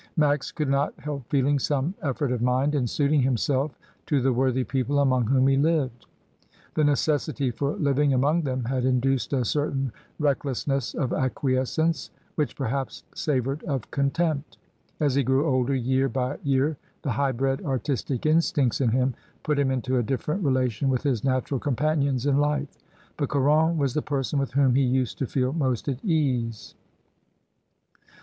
Max could not help feeling some effort of mind in suiting himself to the worthy people among whom he lived. The necessity for living among them had induced a certain recklessness of acquiescence which perhaps savoured of contempt. As he grew older year by year the high bred artistic instincts in him put him into a different relation with his natural companions in life; but Caron was the person with whom he used to feel most at ease.